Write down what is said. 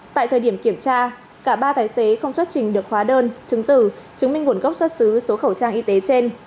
tại thời điểm kiểm tra cả ba tài xế không xuất trình được hóa đơn chứng tử chứng minh nguồn gốc xuất xứ số khẩu trang y tế trên